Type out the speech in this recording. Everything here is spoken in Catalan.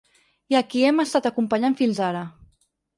I a qui hem estat acompanyant fins ara.